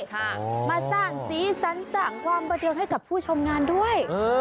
มาสร้างสีสันสร้างความบันเทิงให้กับผู้ชมงานด้วย